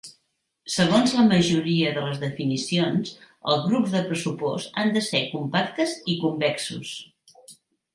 Segons la majoria de les definicions, els grups de pressupost han de ser compactes i convexos.